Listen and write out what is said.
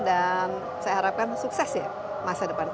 dan saya harapkan sukses ya masa depan